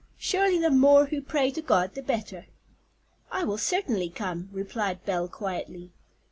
Surely the more who pray to God the better." "I will certainly come," replied Belle quietly.